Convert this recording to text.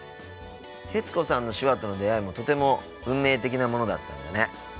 徹子さんの手話との出会いもとても運命的なものだったんだね。